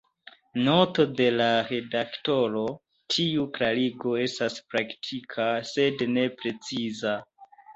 Noto de la redaktoro: Tiu klarigo estas praktika, sed ne preciza.